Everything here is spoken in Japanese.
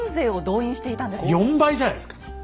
４倍じゃないですか！